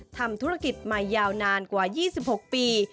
ทำธุรกิจมายาวนานกว่า๒๖ปี